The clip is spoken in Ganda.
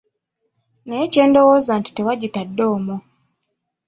Naye kye ndowooza nti tewagitadde omwo.